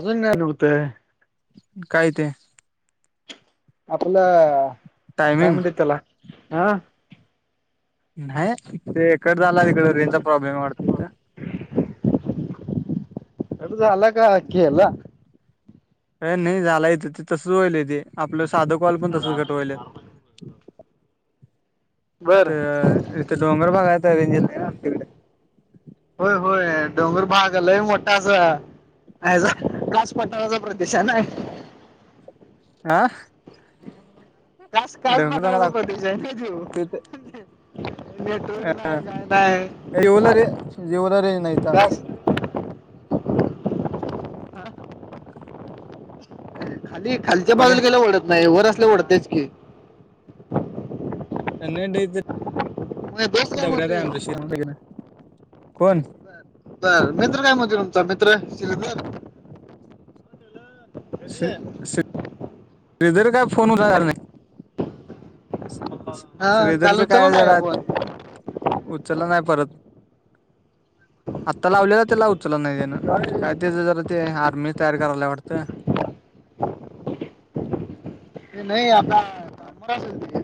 अजून का नुघतंय [inaudible] काय ते, आपलं काय टायमिंग म्हण त्याला हं, नाय, ते कत झालं तिकड रेंजचा प्रॉब्लेम वाटत कट झालंय का? केलंय? अ नाही झालं ते तसचं व्हायल तेे, आपलं साधं कॉल पण तसचं कट वायले. बर इथं इथे डोंगर भाग आहे, तर रेंज येत नाही आपल्या कडे होय, होय डोंगर भाग लंय मोठा असा आयला कास पाठराचा प्रदेश नाय अं? का कास, कास पाठराचा भागाला प्रदेशाना त्यो. तिथं नेटवर्क नाई काय नाय, येवला रे येवला रेंज नाही इथं आमच्या कास खाली खालीच्या मग बाजूला काय गेल्यावर ओढत नाही, वर असल्या ओढतच की. नाई डेंजर मग दोस्त [inaudible] काय दगडात आहे म्हणतोय आमचं शेत [unintelligible] तर मित्र काय म्हणतं तुमचा मित्र? श्रीधर? श्री श्री श्रीधर काय फोन [unintelligible] काय आला नाय. सं सं हा श्रीधरचं चालू चला काय ना जरा ते? आपण उचलला नाही परत, आता लावलेला ते लावू तुला नाय देणार, तेचं काय तेच जरा ते हार मि तयार करायला वाटतं. [unintelligible] ते नाही आता [inaudible] मोड [unintelligible]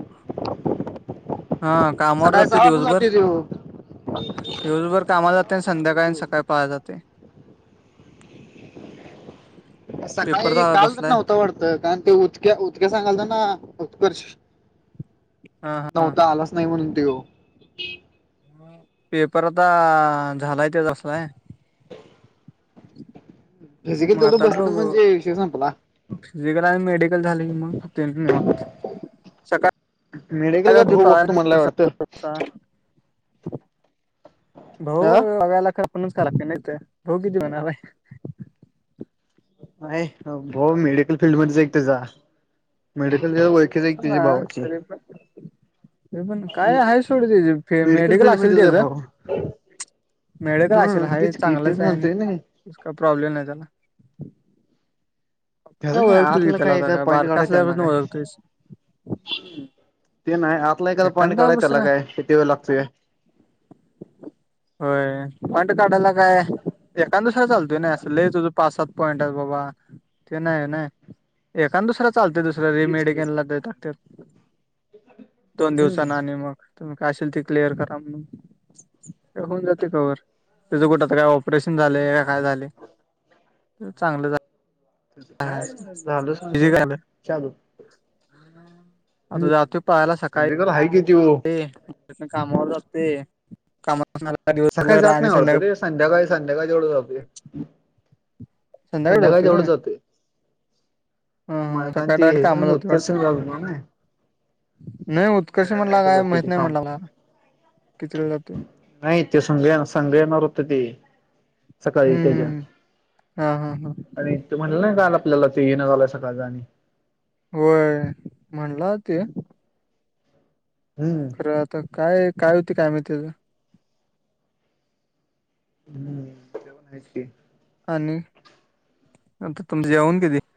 हा कामावर सकाळी जातोय सहा वाजता दिवसभर? जाते दिवसभर कामाला जातय संध्याकाळी सकाळी तो पळायला जात. पेपर सकाळी झा काल तर बसलाय नव्हतं वाटत कारण ते उदक्या उदक्या सांगाल तर ना उत्कर्ष हा. हा. नव्हता आलाचं नाही म्हणून त्यो. पेपर आता झालाय ते तसला आहे. फिजिकल मग देत आता बसलं, बघू म्हणजे विषय संपला. फिजिकल आणि मेडिकल झाले की मग आपलं [unintelligible] निवांत. मेडिकल का सकाळ भाऊ दुपार बघतो म्हणला वाटतं संप चा [inaudible] अ भाऊ्या [unintelligible] लाख पनस का ला [inaudible] नाहीेत भाऊ किती म ना बाई? नाही भाउ मेडिकल फील्ड मध्येच एक ते जा. [unintelligible] भावाची तरी पण ते पण काय आहे सोड फिल्ड मेडिकल असेल फील्डमध्येच आहे त्याचं? भाऊ मिळे का आशिला हा एक तेच की तेच चांगलंच आहे आणि म्हणतोय नाही का प्रॉब्लेम नाही त्याला. [unintelligible] त्या काय का ओळखतोस की आतलं त्याला काय आता ए पॉईंट बारका काढत त्यांना असल्यापासून काय? ओळखतोयस ते नाही आतला एखादा पॉईंट काढायचाला काय किती वेळ लागतोय? होय, पॉईंट काढायला काय? एखाद दुसरा चालतय नाही, अस लई तुझ पाच सात पॉईंट आहे बाबा ते नाही नाय एखाद दुसरा चालतोय दुसर [unintelligible] तेच रमेड की केेनला दत दोन हम्म दिवसाना आणि मग तुम्ही काय असशेल ते क्लिअर करा म्हणून. ते होऊन जाते कवर, त्याचं कुठ आता काय ऑपरेशन झालं काय झाले. चांगलं काय झालं झालच इझी नसल झालं. चालू आता हम्म जातोय पळायला सकाळी हेजेकर हा कती [unintelligible] कामावर अस कामा सकाळी दिस जात आणि नाही वाटतं संध्याकाळी [unintelligible] रे संध्याकाळी संध्याकाळीे तेवढं जातो संध्याकाळी संध्याकाळ जातोय जेवढं व्हय जातं. हा हा सकाळी मलकांची डायरेक्ट ह कामाला [unintelligible] जातोय वाटतं उत्कर्षण झाल म ना. नाही उत्कर्ष म्हणला काय जाते माहित ते नाही काम म्हणला. कितीला जाते नाही त्यो संगळ्या संगल्यावर रुतत ते. सकाळी हम्म त्याच्या हम्म हा हा हा आणि ते म्हणलं नाही काल आपल्याला ते येणं झालंय सकाळ जा आणि होय म्हणला ते हम्म, तर आता काय काय होती काय माती त्याच हम्म तेवण आहेच की, का नि, [inaudible] [unintelligible]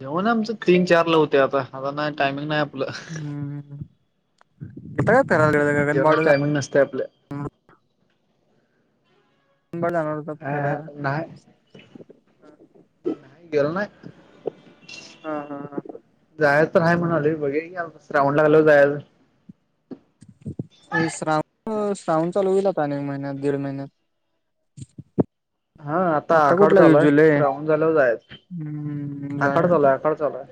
तेवण आमच तीन चार ला होते आता आता नाही टायमिंग नाही आपलं हम्म-हम [unintelligible] गगन बाळ [unintelligible] नसते आपलं [unintelligible] अह नाही, [unintelligible] नाय, [unintelligible] हा हा हा जाय तर हाय म्हणाले, बघे की श्रावण लागल की जायच. श्रावण-श्रावण चालू होईलता अनेक महिन्यात दीड महिन्यात. हा [inaudible] आता आखाड कुठला चालू हाय जुलय श्रावण झाल्यावर जायच [inaudible] हम्म आखाड जाय चालू तर हाय आखाड चालू हाय.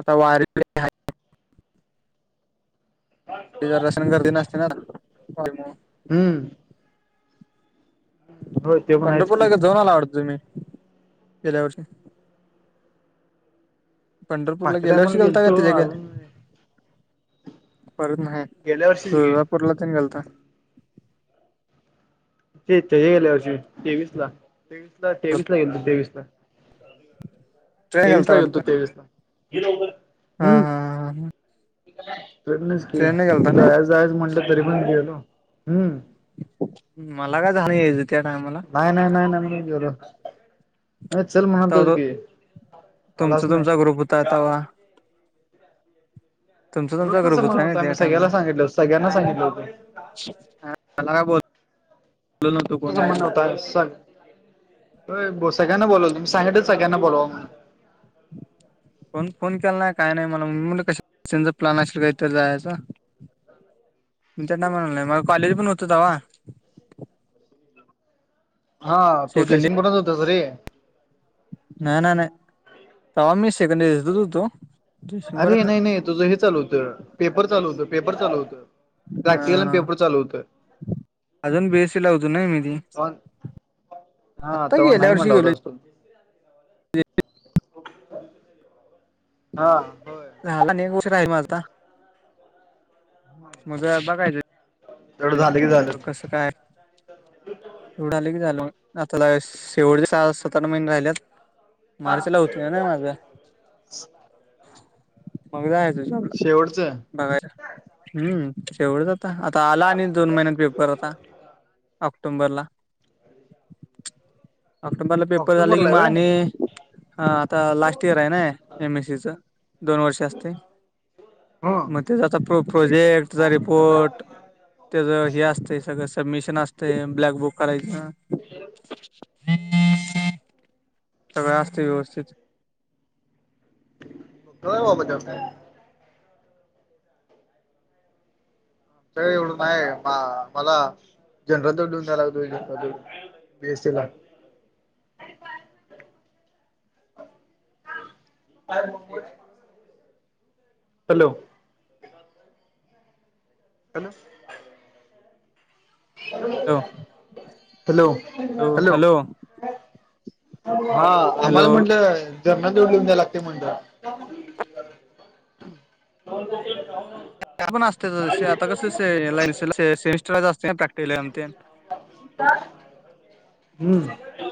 आता वारी, [unintelligible] जरशन करदी नसते ना? [unintelligible] हम्म, हो, पंढरपूरला जाऊन आला आवडतो तुम्ही [inaudible] गेल्यावर ष पंढरपूरला मागच्या टायमाला गेल्यावरसी गेलता गेलतो त्याच्याग अजून [inaudible] परत नाही गेल्या वर्षी की [unintelligible] गेलता, ते त गेले वर्षी तेवीस ला तेवीस ला तेवीस ला गेले तेवीस ला ट्रेन तेवीस गेलता ला गेल तो वाटतं तेवीस ला [unintelligible] हा हम्म हा [inaudible] तेनच ट्रेन गेलता की ना जाय-जायच म्हटलं तरी पण गेलो, हम्म मला काय झालं यायचं त्या टायमाला. नाही-नाही-नाही-नाही, [unintelligible] अर चल महतोच तवा की, आलाच नाही. [unintelligible] तवा, [inaudible] तुमच तुमचा ग्रुप वृत्तचं होत म्हण आहे ना होतं त्या आम्ही सगळ्याला टायमाला, सांगितलं होतं सगळ्यांना सांगितलं होतं [inaudible] तलागा बोलत [unintelligible] होय ब सगळ्यांना बोलाव तुम् साहेच सगळ्यांना बोलावा म्हणून कोण फोन केला नाही, काय नाही, मला मु कश त्यांचा प्लन असेल का इथ जायचा [inaudible] मी त्यांना म्हणा नाही मला कॉलेज पण होत तवा. [inaudible] हा तू सेकंड इयर जयसिंगपुरणच होता रे ना-ना नाही, तवा मी सेकंड द तु होतो परत अरे नाही नाही-नाही तुझं हे चालू होतं, पेपर चालू होतं, पेपर चालू होतं. अ प्रॅक्टिकल अन पेपर चालू होत अजून बीएससी ला होतो ना मी ती [inaudible] हा आत्ता तवा गेल्या नाही वर्षी म्हणला गेलो होतास तू, हा, होय. झाला नाही गोश आहे माझा मजा बघायचं, तेवढं झालं की झालं [unintelligible] कसं काय तेवढं आल की झालं मग, आता लगा शेवटच्या शाळा सात-आठ महिने राहिलेत मार्च ला होत ना माझ, [inaudible] मग जायचं जॉ शेवटचं. बघायर, हम्म, तेवढंच आता-आता आला आणि दोन महिन्यात पेपर आता ऑक्टोंबरला. [inaudible] ऑक्टोंबरला पेपर झाले कि ऑक्टोबरला आहे मग होय आणि आता लास्ट इयर आहे ना एम एससी च दोन वर्ष असते. हो. मग ते आता प्र प्रोजेक्ट त्याचा रिपोर्ट त्याचं हे असतं सगळं सबमिशन असते ब्लॅक बुक करायच. हम [unintelligible] सगळ असते व्यवस्थित. व बजा साहेब [unintelligible] सगळ एवढं नाही मला जनरल [unintelligible] रद्द देऊन द्यायला लागत. बी, एस, सी ला [inaudible] अ [unintelligible] हॅलो. ह ना. Hello, hello. हा आम्हाला हॅलो म्हटलं जनरल जोडुन द्याय लागते म्हटल. त्या पण असत आता कस लाई सेमिस्टरला अस प्रॅक्टिकल ला ते हम्म.